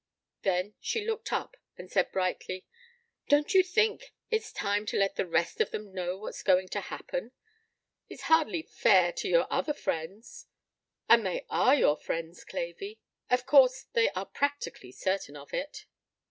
Then she looked up and said brightly: "Don't you think it's time to let the rest of them know what's going to happen? It's hardly fair to your other friends and they are your friends, Clavey. Of course they are practically certain of it."